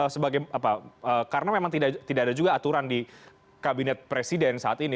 sebagai apa karena memang tidak ada juga aturan di kabinet presiden saat ini